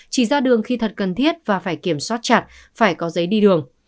chỉ ra đường khi thật cần thiết và phải kiểm soát chặt phải có giấy đi đường